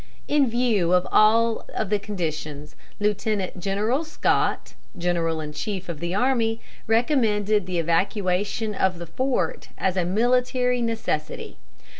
In view of all the conditions, Lieutenant General Scott, general in chief of the army, recommended the evacuation of the fort as a military necessity.